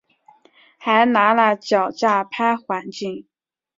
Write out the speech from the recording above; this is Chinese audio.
还拿了脚架拍环景